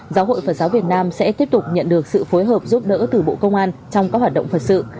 giáo hội phật giáo việt nam sẽ tiếp tục nhận được sự phối hợp giúp đỡ từ bộ công an trong các hoạt động phật sự